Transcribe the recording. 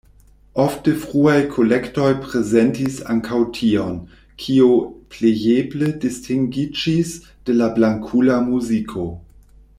Ofte fruaj kolektoj prezentis ankaŭ tion, kio plejeble distingiĝis de la blankula muziko.